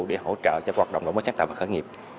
để hỗ trợ cho hoạt động đổi mới sáng tạo và khởi nghiệp